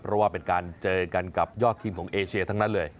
เพราะว่าเป็นการเจอกันกับยอดทีมของเอเชียทั้งนั้นเลย